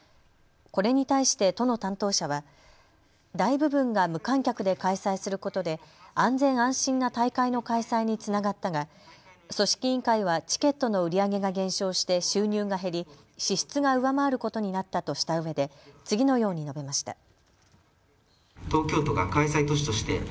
これに対して都の担当者は大部分が無観客で開催することで安全安心な大会の開催につながったが組織委員会はチケットの売り上げが減少して収入が減り支出が上回ることになったとしたうえで次のように述べました。